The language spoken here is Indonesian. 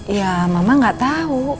ya mama gak tau